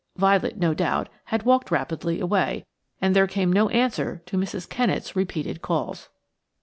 Violet, no doubt, had walked rapidly away, and there came no answer to Mrs. Kennett's repeated calls.